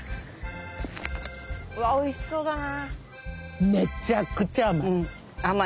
うわっおいしそうだな。